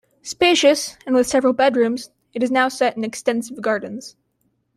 Spacious, and with several bedrooms, it is now set in extensive gardens.